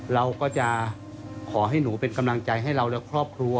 เราก็จะขอให้หนูเป็นกำลังใจให้เราและครอบครัว